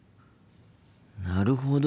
なるほど。